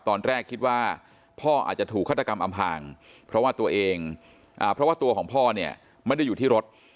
ตอนแรกคิดว่าพ่ออาจจะถูกฆาตกรรมอำหางเพราะว่าตัวของพ่อเนี่ยมันได้อยู่ที่รถ